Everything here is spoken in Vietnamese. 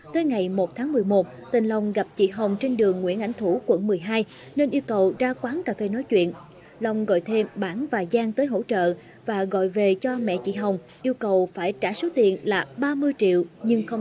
tới ngày một tháng một mươi một tên long gặp chị hồng trên đường nguyễn ảnh thủ quận một mươi hai nên yêu cầu ra quán cà phê nói chuyện long gọi thêm bản và giang tới hỗ trợ và gọi về cho mẹ chị hồng yêu cầu phải trả số tiền là ba mươi triệu đồng